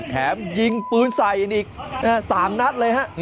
แถมยิงปืนใส่อีก๓นัดเลยฮะ